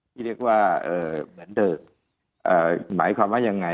ที่เรียกว่าเหมือนเดิมหมายความว่ายังไง